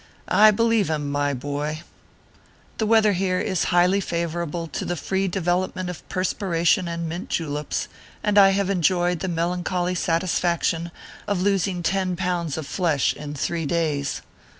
I helieve him, my boy ! The weather here is highly favorable to the free development of perspiration and mint juleps, and I have enjoyed the melancholy satisfaction of losing ten pounds of flesh in three days.